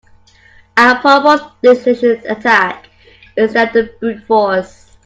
I'd propose a dictionary attack instead of brute force.